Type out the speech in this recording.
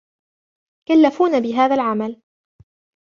كلفونا بهذا العمل.